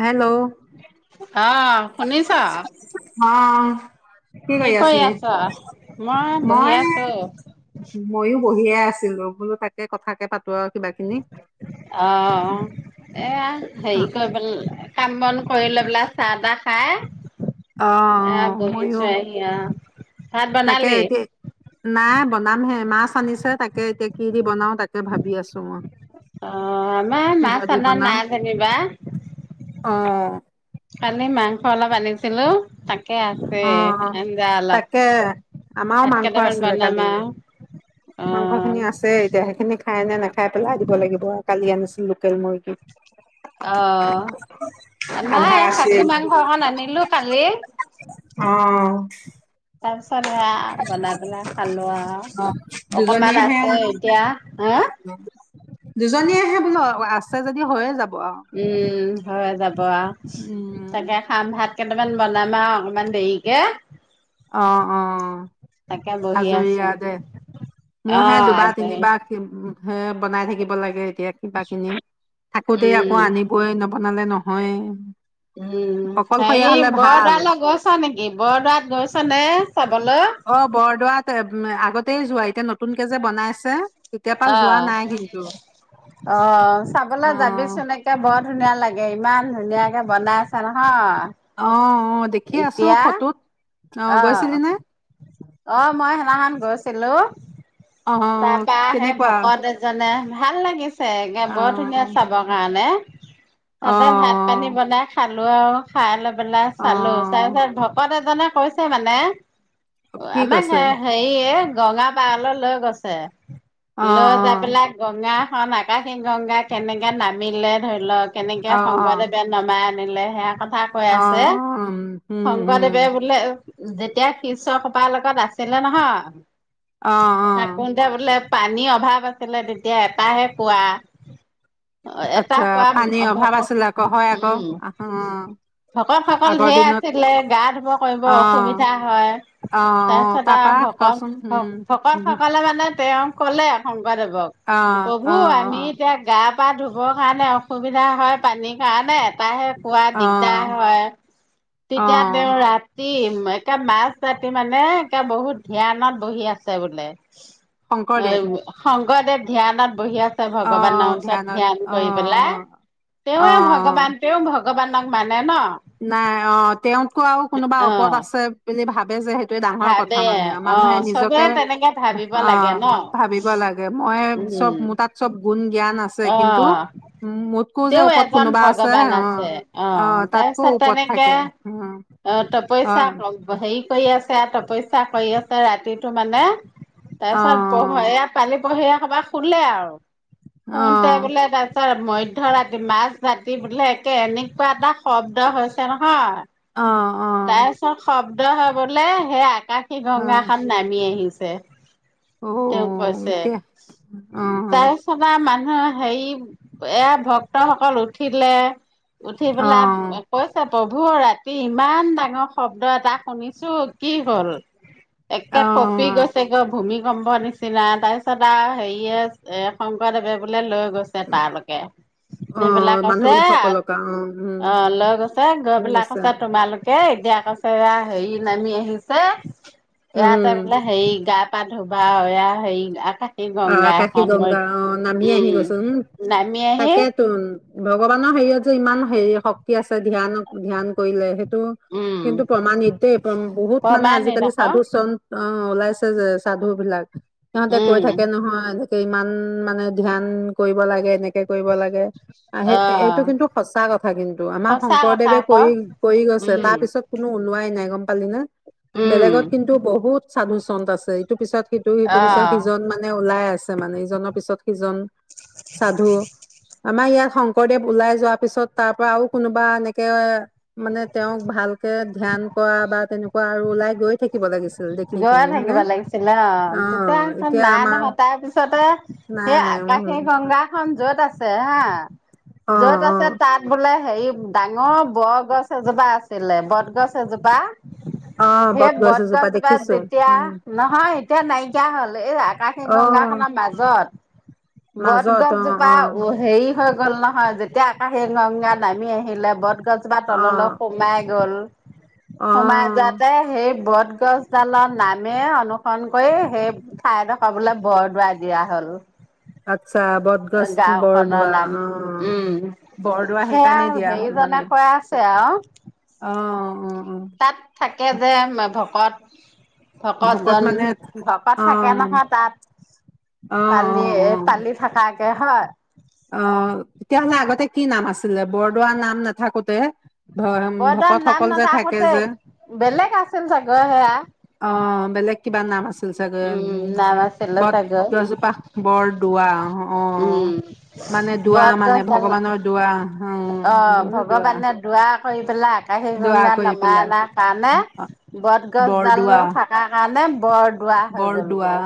Hello. অ'হ, শুনিছ? কি কৰি আছ? মই বহি আছো। মইয়ো বহিয়ে আছিলো। বোলো তাকে কথাকে পাত অ', এয়া হেৰি কৰিবলে। কাম-বন কৰি লৈ পেলাই, চাহ-তাহ খাই অ এয়া বহি মইয়ো আছোঁ [unintelligible] ভাত তাকে বনালি? এতিয়া নাই, বনামহে। মাছ আনিছে, তাকে এতিয়া কি দি বনাও, তাকে ভাবি আছোঁ মই। অ', আমাৰ কিহৰ মাছ দি আনা বনাও নাই যেনিবা। অ' কালি মাংস অলপ আনিছিলোঁ, তাকে আছে অ' আঞ্জা অলপ তাকে। আমাৰো ভাত মাংস কেইটামান আছিলে। বনাম কালি আৰু অ মাংস খিনি আছে এতিয়া সেইখিনি। খাই নে নাখাই? পেলাই দিব লাগিব। কালি আনিছিল লোকেল মুৰ্গী। অ', আমাৰ আধা আছে খাচী মাংস অকণ আনিলোঁ কালি। অ' তাৰ পিছত, এয়া বনাই পেলাই খালোঁ। অ আৰু অকণমান দুজনীয়েহে আছে আনিছিলো। এতিয়া, হা? দুজনীয়েহে বোলো আছে যদি হৈয়ে যাব আৰু উম হয় যাব উম তাকে খাম ভাত কেইটামান বনামা আৰু অকণমান দেৰিকে অ অ তাকে বহি আছো আজৰিয়া দে অ মোৰ হে দুবাৰ আজৰি তিনিবাৰ আকিম হে বনাই থাকিব লাগে এতিয়া কিবা কিনি থাকোতে আকৌ উম আনিবই ন বনালে নহয় উম অকলশৰীয়া হেৰি হলে ভাল বৰদোৱালৈ গৈছ নেকি বৰদোৱাত গৈছ নে চাবলৈ উ আগতেই যোৱাই এতিয়া নতুন কে যে বনাই আছে আহ অ অ চাবলৈ যাবিচোন নকে বত ধুনীয়া লাগে ইমান ধুনীয়াকে বনাই আছে নহয় অ অ দেখি আছো এতিয়া ফটোত অ গৈছিলি নে অ মই সেনাহান গৈছিলো অ তাৰপা সেই কেনেকুৱা ভকত এজনে ভাল লাগেছে ে অ বৰ ধুনীয়া চাবৰ কাৰণে অ তাতে ভাত পানী বনাই খাত আলো আৰু খাই লৈবেলাই চালো চাই অ চাই ভকত জনে কৈছে মানে [unintelligible] অ কি আমাৰ কৈছে? হেৰি এ গঙা পলত লৈ গৈছে। অ', [unintelligible] ল যা পেলাক গঙা আকাশীং গংগা কেনেকে নামিলে ধৰি লওক কেনেকে অ', অ', অ', শংকৰদেৱে নমায় আনিলে সেয়া কথা কৈ আছে অ', উম, উম, উম, শংকৰদৱে বোলে যেতিয়া শিষসোপাৰ লগত আছিলে অ', নহয় অ', ঠাকতে বোলে পানীৰ অভাৱ আছিলে তেতিয়া এটাহে পোৱা। আচ্ছা পানীৰ অভাৱ আছিলে আকৌ, হয় আকৌ। আ অকল ঢেৰ আছিলে গা ধুবা কৰিব অ', অসুবিধা হয় অ', অ', তাৰপিছত তাৰপা আৰু কচোন ভকত, উম, উম, ভকতসকলে মানে তে আ কলে আখনোন [unintelligible] দেৱক অ', প্ৰভু অ', আমি অ', এতিয়া গা পা ধুবৰ কাৰণে অসুবিধা হয় পানীৰ কাৰণে এটাহে খোৱা দিগদাৰ অ', হয়। তেতিয়া [unintelligible] অ', বওৰাত এে মাছ ৰাতি মানে এে বহুত ধ্যানত বহি আছে বোলে। অ শংকৰদেৱ [unintelligible] ধ্যানত বহি আছে ভগৱানৰ অ', ওচৰত ধ্যানত ধ্যান অ', কৰি পেলাই, অ', তেওঁৱে ভগৱান, অ', তেওঁ ভগৱানক মানে ন নাই অঁ তেওঁতকো আৰু কোনোবা অ ওপৰত আছে বুলি ভাব ব য [unintelligible] এইে ডাঙৰ কথা ভাবে মানে, অ মানুহে চবে নিজকে, তেনেকে ভাবিব লাগে অঁ ন ভাবিব লাগে, মই চব, উম মোৰ তাত চব গুণ জ্ঞান আছে অ কিন্তু মোতকৈ যে তেওঁ ওপৰত এজন কোনোবা আছে ভগৱান আছে অ অঁ-অঁ, তাত তাৰপিছত তেনেকে অ তই অ পইচা কমে হেৰি কৰি আছে, এত পইচা কৰি আছে ৰাতি তো মানে তাৰ অ পিছত, [unintelligible] ইয়াত পানী পঢ়ি একেবাৰে শুলে আৰু। অ শুতে বোলে তাৰপিছত মধ্য ৰাতি, মাজ ৰাতি বোলে, একে এনেকুৱা এটা শব্দ হৈছে নহয় অ তাই‌ খৰখৰাব [unintelligible] হয় বোলে সেই আকাশী অ অ গংগা খান নামি আহিছে। তে অ তেওঁ কৈছে, এতিয়া অ তাৰে ছতা মানুহ এ হেৰি, এয়া ভক্তসকল উঠিলে উঠি অ পেলাই, কৈছে প্ৰভু, ৰাতি ইমান ডাঙৰ শব্দ এটা শুনিছো, কি হ'ল? অ একে কপি গছেগৈ ভূমি কম্প নিচিনা তাৰপিছত আৰু হেৰিয়ে, এ শংকৰদেৱে বোলে লৈ গৈছে তালৈকে, অ নিপেলাই মানুহ কছে বিলাক সকলক অ উম অ', লৈ গৈছে, গৈ বিলাক গৈছা কৈছে তোমালোক এ এতিয়া কৈছে এয়া হেৰি নামি আহিছে ইয়াতে উম বোলে হেৰি গা ধুবাআৰু এয়া হেৰি আ অ', আকাশীগংগা অ', নামি আহি গৈচে উম, নামি আহি তাকে তোন ভগৱানৰ হেৰিয়ত যে ইমান হেৰি শক্তি আছে ধ্যান-ধ্যান কৰিলে, সেইটো উম কিন্তু প্ৰমাণিত দেই, বহুত মানে প্ৰমাণিত আজিকালি আক সাধু শন্ত অ' ওলাইছে যে সাধু বিলাক সিহঁতে কৈ উম থাকে কে নহয় ইমান মানে ধ্যান কৰিব লাগে, এনেকে কৰিব লাগে, আহে অ এই এইটো কিন্তু সঁচা কথা কিন্তু আমাৰ সঁচা কথা শংকৰদেৱে আক কৰি কৰি গৈছে উম তাৰ পিছত কোনো ওলোৱাই নাই গম পালি নে? উম বেলেগত কিন্তু বহুত সাধু-শন্ত আছে, ইটো পিছত ইটো সিটো অ পিছত সিজন মা খাই আছে মানে, ইজনৰ পিছত সিজন সাধু, আমাৰ ইয়াত শংকৰদেৱ ওলাই যোৱা পিছত তাৰ পৰা আৰু কোনোবা এনেকে মানে তেওঁক ভালকে ধ্যান কৰা বা তেনেকুৱা আৰু ওলাই গৈ থাকিব লাগিছিল দেখি গৈয়ে শুনি থাকিব হয়নে লাগিছিল অহ, অ তেতিয়া এতিয়া নাই আমাৰ নহয় তাৰ পিছতে, সেই নাই আকাশী উম গংগা খন য'ত আছে হা অ য'ত অ আছে তাত বোলে হেৰি ডাঙৰ বৰগছ এজোপা আছিলে, বটগছ এজোপা অহ বটগছ এজোপা দেখি তাত যেতিয়া, নহয় এতিয়া নাইকিয়া হ'ল। এই আকাশী অ গংগা খনৰ মাজত, মাজত অ বটগছজোপা অ ওহ হেৰি হৈ গ'ল নহয় যেতিয়া আকাশী গংগা নামি আহিলে বট গছজোপা অ তললৈ সোমাই গ'ল। অ সোমাই যোৱাতে সেই বট গছ ডালৰ নামে অনুসৰণ কৰি সেই ঠাইডোখৰ বোলে বৰদোৱা দিয়া হ'ল। আচ্ছা, বটগছ গাঁওখনৰ বৰদোৱা নাম অহ উম বৰদোৱা সেয়া সেইকাৰণেই দিয়া হ'ল হেৰিজনে মানে কৈ আছে আৰু অহ তাত থাকে যে ভকত [unintelligible] ভকত ভকতজন মানে ভকত অ থাকে নহয় তাত অ পালি পালি থাকা তেওঁ হা অহ তেতিয়াহ'লে আগতে কি নাম আছিলে বৰদোৱা নাম নাথাকোতে? ভ বৰদোৱা নাম ভকতসকল যে থাকে নাথাকোতে যে, বেলেগ আছিল চাগে সেয়া বেলেক কিবা‌ নাম আছিল চাগঐ উম নাম আছিলে চাগৈ বটগছজোপা বৰদোৱা, উহো উম মানে বটগছডাল, ভগৱানৰ দোৱা অ', অহ বৰদোৱা ভগৱানে দোৱা কৰি পেলাই আকাশী দোৱা গংগা কৰি নমাই পেলাই অনাৰ কাৰণে অ, বটগছডালো বৰদোৱা থকাৰ কাৰণে বৰদোৱাৰ হৈ গ'লগৈ।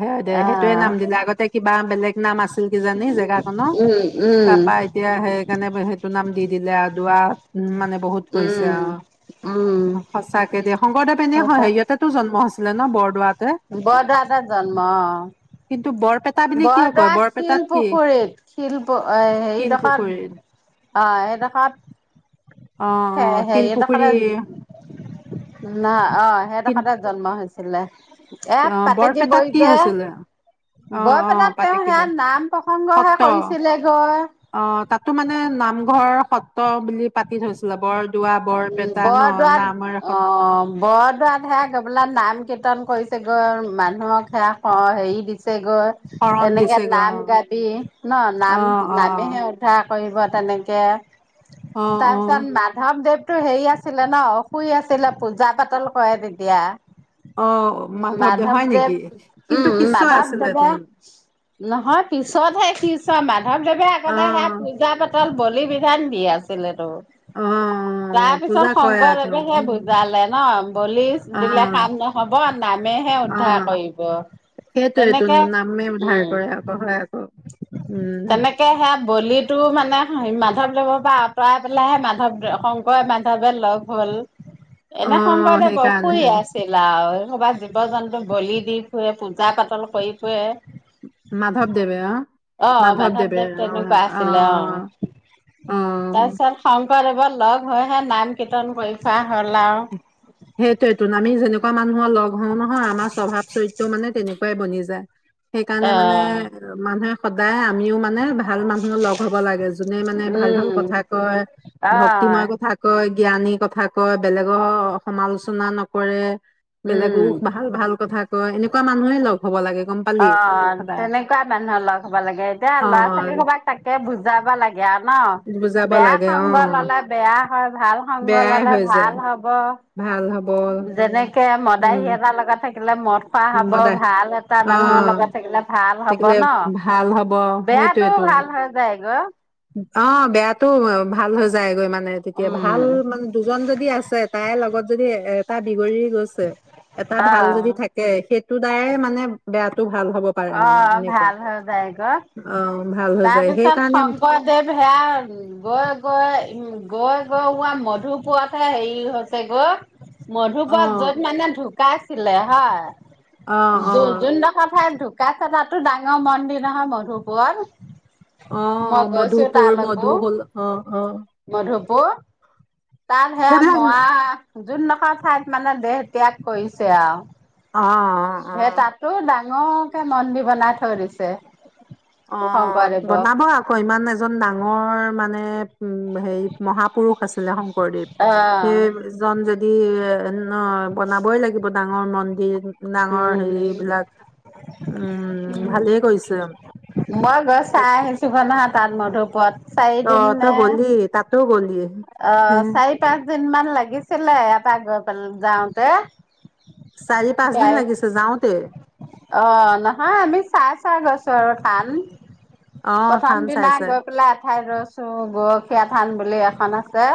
হয়দে অ সেইটোৱে নাম দিলে আগতে কিবা বেলেগ নাম আছে আছিল কিজানি জেগাকনৰ, উম তাৰ পা উম এতিয়া সেইকাৰণে সেইটো নাম দি দিলে আৰু দোৱা উহ মানে বহুত কৰিছে উম আৰু উম সঁচাকে দেই শংকৰদেৱ এনে হয় হেৰিএটেটো জন্ম হৈছিল জানো বৰদোৱাত বৰ দাদা জন্ম ত পিনে কিয় কয় বৰদোৱা বৰপেটা শিল পুখুৰীত শিল হেৰিক শিলপুখুৰী অ সেইডোখাত অ অ শিলপুখুৰী হেৰিদখতে ন অ শিল সেইডোখতে জন্ম হৈছেঢ় [unintelligible] ছিলে এ অ পতেজি বৰপেটাত বই কি দে হৈছিলে অ অ বৰপেটাত পাতে তেওঁ কিব সোত নাম প্ৰসংগহে সত্ৰ কৰিছিলে গৈ ৰ সত্ৰ বুলি পাতি থৈছিলে বৰ উ বৰদোৱাত অ সত- বৰদোৱাত হে গৈ পেলা নাম কীৰ্তন কৰিছেগৈ মানুহক সেয়া হেৰি দিছে গ শৰণ এনেকে দিছে গ নাম গাবি ন অ নাম অ নামেহে উধাক কৰিব তেনেকৈ অ অ তাৰপিছত মাধৱদেৱ ো হেৰি আছিলে ন শুই আছিলে পূজা পাতল কৰে অ তেতিয়া হয় মাধৱদেৱ নেকি কিন্তু উম শিষ্য আছিলে মাধৱদেৱে তোন নহয় পিছতহে িছ মানে [unintelligible] ধৱদেৱে আগতে সেয়া অ পূজা পাতল বলি বিধান দি আছিল তো অ তাৰ পূজা পিছত কৰে আৰু তেওঁ, শংকৰদেৱেহে উম, বুজালে ন বলি দিলে অ', কাম নহব নামেহে উদ্ধাৰ অ', কৰিব সেইটোৱেইতো তেনেকে নামে উদ্ধাৰ উম কৰে আকৌ, হয় আকৌ, উম, তেনেকে সে বল টো মানে মাধৱদেৱৰ পৰা আঁতৰাই পেলাইহে মাধৱ য় বান্ধৱে লগ হ'ল এনে অ', শংকৰদেৱ অসুই সেইকাৰণেহে, আছিল আৰু ক'বাত জীৱ জন্তুক বলি দি ফুৰে পূজা পাতল কৰি ফুৰে মাধৱ দেৱ অ অ মাধৱদেৱে, মাধৱদেৱ অ', তেনেকুৱা আছিলে অ', অ অ'। তাৰপিছত শং ৱ লগ হৈহে নাম কীৰ্তন কৰিছা সেইটোয়টো আমি যেনেক এনেকুৱা মানুহৰ লগ হওঁ নহয় আমাৰ স্বভাৱ চৰিত্ৰ মানে তেনেকুৱাই বনি যায় সেইকাৰণে মানে অ', মানুহে সদায় আমিও মানে ভাল মানুহৰ লগ হ'ব লাগে যোনে মানে ভাল ভাল উম, কথা কয় ভক্তিময় অ', কথা কয় জ্ঞানীৰ কথা কয় বেলেগৰ সমালোচনা নকৰে বেলেগো উম, ভাল ভাল কথা কয় এনেকুৱা মানুহে লগ হ'ব লাগে গম অ পালি সদায় তেনেকুৱা মানুহৰ লগ হ'ব লাগে এতিয়া অ ল'ৰা ছোৱালী সবাক তাকে বুজাবা লাগে আৱ ন বুজাব বেয়া লাগে অ সংগ ললে বেয়া হয় ভাল সংগ বেয়াই ললে হৈ যায় ভাল হ'ব হ'ব ভাল হব যেনেকে মদাহি উম এটা লগত থাকি থাকিলে মদ খোৱা হ'ব মদায় ভাল এটা মানুহৰ অ লগত থাকিলে ভাল হ'ব থাকিলে ন, ভাল হ'ব বেয়াটো সেইটোৱে তুন ভাল হৈ যায়গৈ, অ বেয়া টো ভাল হৈ যায়গৈ মানে মানে তেতিয়া ভাল উম। মানে দুজন যদি আছে তাইৰ লগত যদি এ টা বিগৰি গৈছে এটা ভাল যদি অ', থাকে সেই দুটাই মানে বেয়াটো ভাল হ'ব পাৰে অ মানে এনেকুৱা ভাল হৈ যায় গৈ অ ভাল হৈ যায় তাৰপিছত সেইকাৰণে শংকৰদেৱ সেয়া গৈ গৈ উম গৈ গৈ ৱা মধুপুৰতহে হেৰি হৈছে গৈ অ মধুপুৰত য'ত মানে ধুক ঢুকাইছিলে হয় অ অ যোন যোনডোখৰ ঠাই ধু ঢুকাইছে তাতো ডাঙৰ মন্দিৰ নহয় মধুপুৰত অ মই গৈছো মধুপুৰ তালৈকো মধুকুল অ অ ব তাত হেয়া সেইবিলাক ম‌আ যোন দখ ঠাইত মানে দেহ ত্যাগ কৰিছে আৱ অ অ অ ডাঙৰকে মন্দিৰ বনাই থৈ দিছে অ শংকৰদেৱৰ। বনাব আকৌ ইমান এজন ডাঙৰ মানে উম হেৰি মহাপুৰুষ আছিলে শংকৰদেৱ অ'। সেইজন যদি [unintelligible] ন বনাবই লাগিব ডাঙৰ মন্দিৰ মন্দিৰ টোত ডাঙৰ উম হেৰি বিলাক উম ভালেই কৰিছে মই গৈ চাই আহিছোঁ গৈ ন তাত তাত মধুপুৰত অ চাৰিদিন তই নে গ'লি তাতোও গ'লি অ হে, চাৰি পাঁচ দিন মান লাগিছিলে এটা গৈ পালে যাওঁতে চাৰি পাঁচদিন গাড়ী লাগিছে যাওঁতে অ নহয় আমি চাই চাই গৈছো আৰু টান অ প্ৰথম থান চাই দিনা চাই গৈ পেলাই এঠাইত ৰৈছো গৰখীয়া থান বুলি এখন আ আছে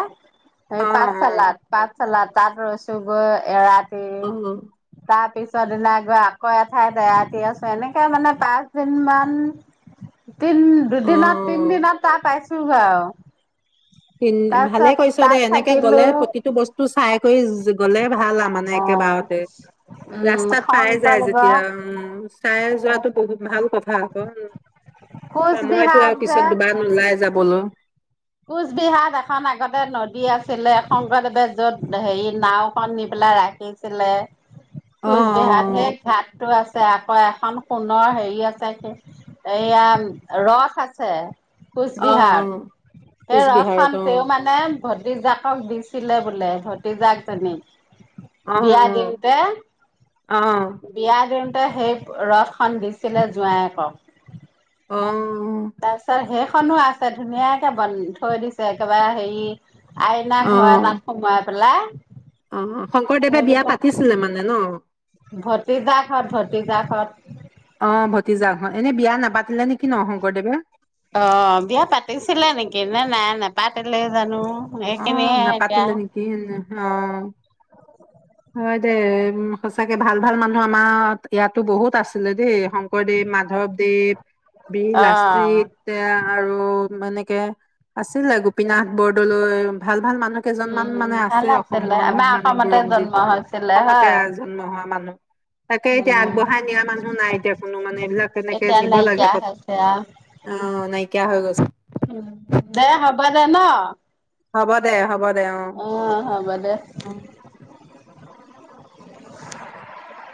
অ পাঁচ চালাদ পাঁচ চালাদ তাত ৰৈছোঁ গৈ এৰাতি অ অ তাৰ পিছ পিছৰদিনা গৈ আকৌ এঠাইত এৰাতি আছোঁ এনেকৈ মানে পাঁচদিনমান তিন অ অ। দুদিনত, তিনদিনত তাৰ পাইছ আও [unintelligible] ভালে কৰিছদে, এনেকে থাকিলো গলে প্ৰতিটো বস্তু চাই কৰি গলে, ভাল আৰু মানে অ' একেবাৰতে, উম ৰাস্তাত পাই যায়। শংকৰদেৱ যেতিয়া অ, চাই যোৱাাতটো বহুত ভাল কথা। [unintelligible] সময়তো কোচবিহাৰ আৰু পিছত দুবাৰ নোলাই যাব। অ কোচবিহাৰ এখন আগতে নদী আছিলে, শংকৰদেৱে যত হেৰি নাওখন নি পেলাই ৰাখিছিলে। কোচবিহাৰত অ', সেই ঘাটতটো আছে, আকৌ এখন সোণৰ হেৰি আছে, এয়া ৰস আছে। অ, কোচবিহাৰত অ। সেই ৰাস খন, কোচবিহাৰত তেওঁ মানে ভতিজাকক দি ছিলে বোলে, ভতিজাকজনী। বিয়া অ', দিনতে, অ', বিয়া দিন তে সেই, ৰসখন দিছিলে জোঁৱাইেকক। অ', অ', তাৰপিছত হে সেইখনো আছে ধুনীয়াকে বন থৈ দিছে, একেবাৰে হেৰি আইনা ঘৰ অ', এতাত সমাত বোলে অ, শংকৰদেৱে বিয়া পাতিছিলে মানে ন। ভতিজা ঘত, ভতিজা ঘত। অ, ভতিযা হয়। এনে বিয়া নাপাত অ, বিয়া পাতিছিলে নেকি, নে নাই নপতা পাতিলে জানো, এক অঁ, নাপাতিলে নেকি, অঁ হয় দে উম, সচাকে ভাল-ভাল মানুহ আমাৰ ইয়াতো বহুত আছে আছিলে দেই, শংকৰদেৱ মাধৱদেৱ বীৰ অ লাচিত আৰু এনেকে আছিলে, গোপীনাথ বৰদলৈ। ভাল ভাল মানুহ কেইজন মান উম মানে আছে, ভাল আছিলে অসমৰ আমাৰ মানে অসমতে বুৰঞ্জীত, জন্ম হৈছিলে অসমতে হয় জন্ম হোৱা মানুহ। তাকে এতিয়া উম আগবঢ়াই নিয়া মানুহ নাই এতিয়া কোনো মানে এইবিলাক এনেকে এতিয়া নিব লাগে, নাইকিয়া হৈছে আও অঁ নাইকিয়া হৈ গৈছে। দে হ'ব দে ন। হ'ব দে, হ'ব দে। অ অঁ, হ'ব দে। অ [inaudible]